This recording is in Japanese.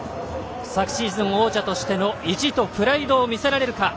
昨シーズン王者としての意地とプライドをみせられるか。